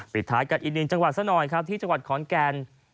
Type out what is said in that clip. ท้ายกันอีกหนึ่งจังหวัดซะหน่อยครับที่จังหวัดขอนแก่น